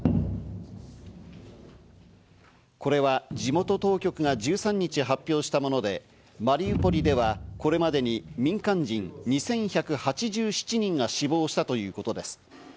これは地元当局が１３日発表したものでマリウポリではこれまでに民間人２１８７人が死亡したということです。